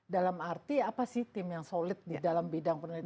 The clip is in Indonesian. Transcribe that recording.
dalam arti apa sih tim yang solid di dalam bidang penelitian